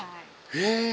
へえ。